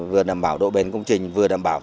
vừa đảm bảo độ bền công trình vừa đảm bảo